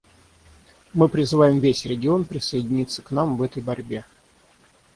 Мы призываем весь регион присоединиться к нам в этой борьбе.